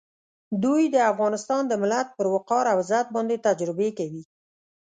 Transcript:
دوی د افغانستان د ملت پر وقار او عزت باندې تجربې کوي.